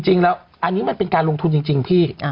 จริงแล้วอันนี้มันเป็นการลงทุนจริงพี่